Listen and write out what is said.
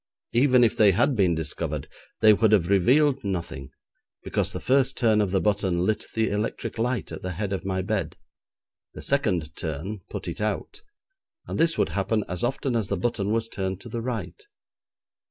Even if they had been discovered, they would have revealed nothing, because the first turn of the button lit the electric light at the head of my bed; the second turn put it out; and this would happen as often as the button was turned to the right.